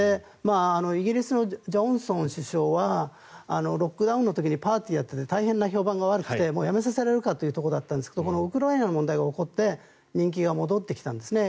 イギリスのジョンソン首相はロックダウンの時にパーティーをやってて大変な評判が悪くて辞めさせられるかというところだったんですがウクライナの問題が起こって人気が戻ってきたんですね。